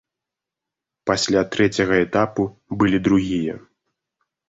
Пасля трэцяга этапу былі другія.